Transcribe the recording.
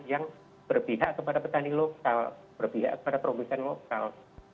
yang berpihak kepada petani lokal berpihak kepada produsen lokal